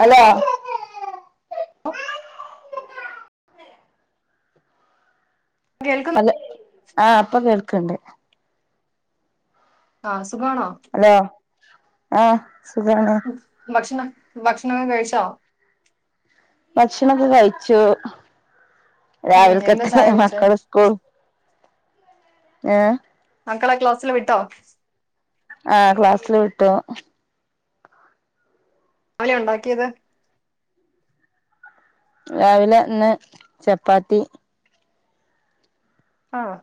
Hello ഓഹ് കേൾക്കുന്നു hello ആഹ് ഇപ്പൊ കേൾക്ക്ണ്ട് ആഹ് സുഖാണോ ഹലോ ആഹ് സുഖാണ് ഭക്ഷണം ഭക്ഷണം ഒക്കെ കഴിച്ചോ ഭക്ഷണാക്കെ കഴിച്ചു ഉം എന്താ രാവിൽകത്തെ ചായ കുടിച്ചേ മക്കളെ സ്കൂൾ ഏഹ് മക്കളെ ക്ലാസ്സിൽ വിട്ടോ ആഹ് ക്ലാസ്സില് വിട്ടു എന്ത് കടിയാ ഉണ്ടാക്കിയത് രാവിലെ ഇന്ന് ചപ്പാത്തി ആഹ്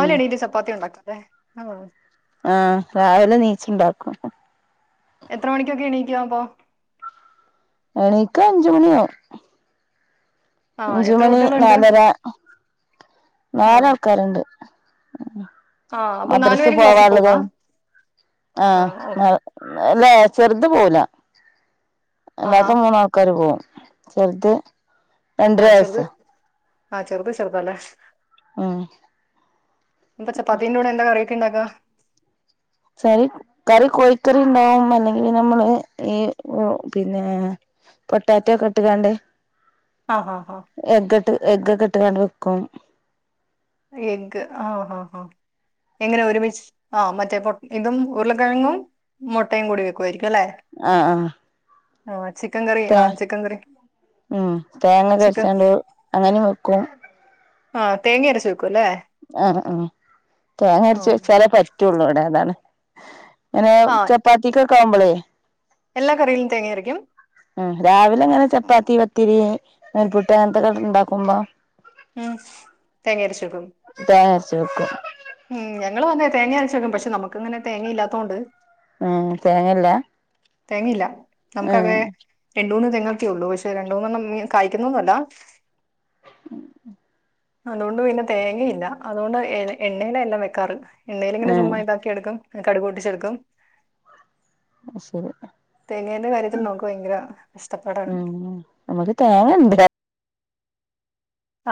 ഉം എണീറ്റ് ചപ്പാത്തി ഉണ്ടാക്കും അല്ലെ ആഹ് ആഹ് രാവിലെ നീച്ച് ഉണ്ടാക്കും എത്ര മണിക്കൊക്കെ എണീക്കും അപ്പോ എണീക്കാൻ അഞ്ചു മണിയാവും ആ എത്ര അഞ്ചുമണി കുട്ടികളുണ്ട് നാലര ആ നാലാൾക്കാരുണ്ട് ആ അപ്പൊ മദ്രസ് നാലുപേരും ക്ലാസ്സിൽ പോവാള്ളത് പോന്നാ ആ ഓ ആഹ് അല്ലേ ചെറുത് പോവൂല്ല ആഹാ അല്ലാത്ത മൂന്നാള് ആൾക്കാരും പോവും ചെറുത് രണ്ടര ആഹ് ചെറുത് വയസ്സാ ആഹ് ചെറുത് ചെറുതല്ലേ ഉം അപ്പം ചപ്പാത്തിന്റെ കൂടെ എന്താ കറിയോക്കെ ഉണ്ടാക്കാ കറി കറി കോഴിക്കറി ഉണ്ടാവും അല്ലെങ്കിൽ നമ്മള് ഈ ഓ പിന്നെ പൊട്ടാറ്റോ ഒക്കെ ഇട്ട്കാണ്ട് ആഹ് ആഹ് ആ എഗ്ട്ട് എഗ് ഒക്കെ ഇട്ട്കാണ്ട് വെക്കും എഗ് ആഹ് ആഹ് ആഹ് എങ്ങനെ ഒരുമിച്ച് ആ മറ്റേ പൊ ഇതും ഉരുളക്കിഴങ്ങും മുട്ടയും കൂടി വെക്കുവായിരിക്കും അല്ലേ ആഹ് ആഹ് ആഹ് ചിക്കൻ കറി തേ ആഹ് ചിക്കൻ കറി ഉം തേങ്ങ ചിക്കൻ അരച്ച്ങ്ങാണ്ട് അങ്ങനെ വെക്കും ആഹ് തേങ്ങ അരച്ച് വെക്കും അല്ലേ ആ ആ തേങ്ങയരച്ച് ആഹ് വെച്ചാലെ പറ്റൊള്ളൂ ഇവിടെ അതാണ്. ഇങ്ങനെ ആഹ് ചപ്പാത്തിക്കൊക്കെയാവുമ്പളെ. എല്ലാ കറിയിലും തേങ്ങയരക്കും. ഉം രാവിലെയങ്ങനെ ചപ്പാത്തി പത്തിരി നൂൽപുട്ട് അങ്ങനൊത്തൊക്കെ ഇണ്ടാക്കുമ്പോ ഉം തേങ്ങയരച്ചുവെക്കും. തേങ്ങയരച്ചുവെക്കും. ഉം ഞങ്ങള് വന്നേ തേങ്ങയരച്ചുവെക്കും പക്ഷെ നമുക്കങ്ങനെ തേങ്ങയില്ലാത്തൊണ്ട്. ഉം തേങ്ങയില്ല തേങ്ങയില്ല നമുക്കതെ രണ്ടുമൂന്ന് തെങ്ങൊക്കൊള്ളൂ പക്ഷെ രണ്ടുന്നെണ്ണം കായ്ക്കുന്നൊന്നുവല്ല. അതുകൊണ്ടുപിന്നെ തേങ്ങയില്ല അതുകൊണ്ട് എന്നെ എണ്ണേല എല്ലാം വെക്കാറ് എണ്ണേലിങ്ങനെ ഏഹ് ചുമ്മാ ഇതാ ക്കിയെടുക്കും കടുകുപൊട്ടിച്ചെടുക്കും. അത്ശെരി തേങ്ങേന്റെ കാര്യത്തിൽ നമ്മുക്കുഭയങ്കര കഷ്ടപ്പാടാണ്. ഉം നമുക്ക് തേങ്ങയൊണ്ട്ലേ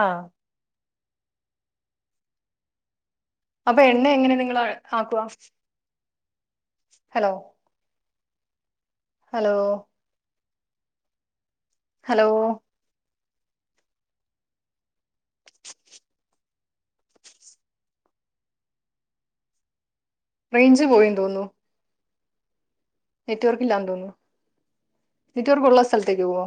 ആഹ് അപ്പൊ എണ്ണ എങ്ങനെയാ നിങ്ങള് ആക്കുവ ഹലോ ഹലോ ഹലോ റേയ്ഞ്ച് പോയിന്നു തോന്നുന്നു. നെറ്റുവർക്കില്ലാന്നു തോന്നുന്നു നെറ്റുവർക്കൊള്ള സ്ഥലത്തേക്ക് പോവ്വോ